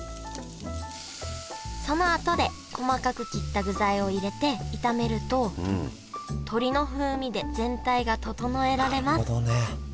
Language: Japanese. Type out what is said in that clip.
そのあとで細かく切った具材を入れて炒めると鶏の風味で全体が調えられますなるほどね。